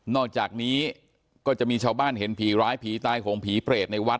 อกจากนี้ก็จะมีชาวบ้านเห็นผีร้ายผีตายโหงผีเปรตในวัด